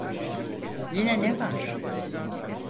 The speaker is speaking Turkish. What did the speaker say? Yine ne var?